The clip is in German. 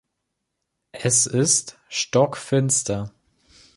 Es ist stockfinster.